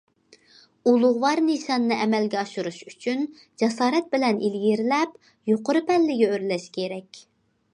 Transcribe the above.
ئۇلۇغۋار نىشاننى ئەمەلگە ئاشۇرۇش ئۈچۈن جاسارەت بىلەن ئىلگىرىلەپ، يۇقىرى پەللىگە ئۆرلەش كېرەك.